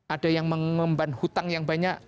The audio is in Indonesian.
ada yang mengemban hutang yang banyak